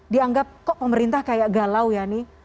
dianggap kok pemerintah kayak galau ya nih